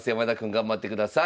頑張ってください。